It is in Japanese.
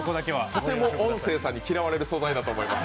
とても音声さんに嫌われる素材だと思います。